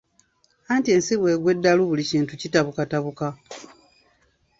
Anti ensi bw’egwa eddalu buli kintu kitabukatabuka.